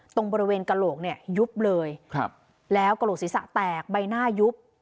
ตรงบริเวณกระโหลกเนี่ยยุบเลยครับแล้วกระโหลกศีรษะแตกใบหน้ายุบ